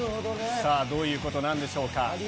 さあ、どういうことなんでしょうか。